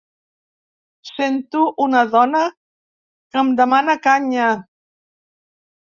Sento una dona que em demana canya.